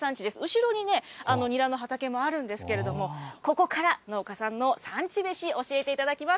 後ろにニラの畑もあるんですけれども、ここから農家さんの産地めし、教えていただきます。